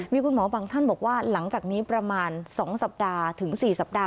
มีคุณหมอบางท่านบอกว่าหลังจากนี้ประมาณ๒สัปดาห์ถึง๔สัปดาห